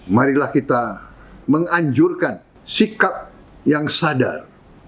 marilah kita menganjurkan sikap yang sadar